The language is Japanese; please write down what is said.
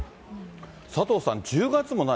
佐藤さん、１０月も何？